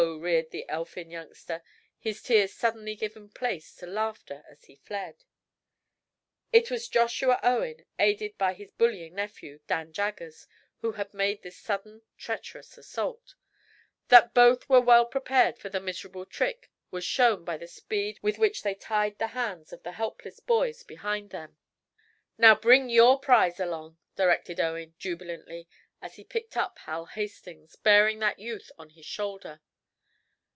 Ho! ho!" roared the elfin youngster, his tears suddenly giving place to laughter as he fled. It was Joshua Owen, aided by his bullying nephew, Dan Jaggers, who had made this sudden, treacherous assault. That both were well prepared for the miserable trick was shown by the speed with which they tied the hands of the helpless boys behind them. "Now, bring your prize along," directed Owen, jubilantly, as he picked up Hal Hastings, bearing that youth on his shoulder.